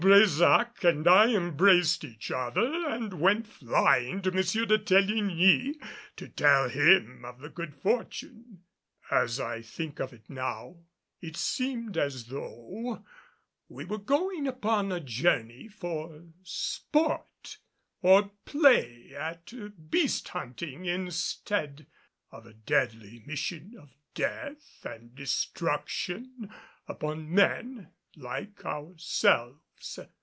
Brésac and I embraced each other and went flying to M. de Teligny to tell him of the good fortune. As I think of it now it seemed as though we were going upon a journey for sport or play at beast hunting instead of a deadly mission of death and destruction upon men like ourselves.